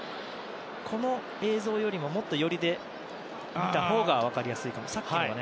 この映像よりももっと寄りで見たほうが分かりやすいかもしれない。